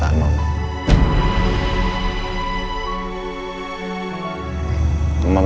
jadi mereka jahat